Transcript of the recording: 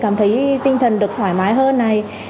cảm thấy tinh thần được thoải mái hơn